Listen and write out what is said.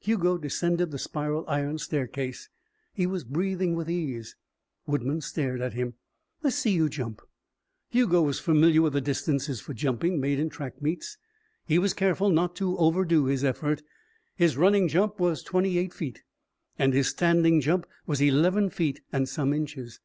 Hugo descended the spiral iron staircase. He was breathing with ease. Woodman stared at him. "Lessee you jump." Hugo was familiar with the distances for jumping made in track meets. He was careful not to overdo his effort. His running jump was twenty eight feet, and his standing jump was eleven feet and some inches.